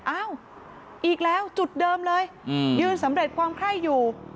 อ้าวอีกแล้วจุดเดิมเลยยืนสำเร็จความไข้อยู่